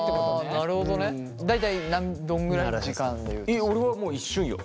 いや俺はもう一瞬よ。